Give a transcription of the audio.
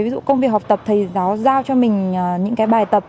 ví dụ công việc học tập thầy giáo giao cho mình những cái bài tập